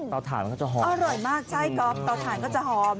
ถ่านมันก็จะหอมอร่อยมากใช่ก๊อฟเตาถ่านก็จะหอม